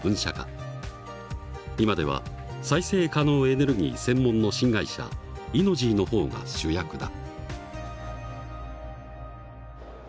今では再生可能エネルギー専門の新会社ｉｎｎｏｇｙの方が主役だ。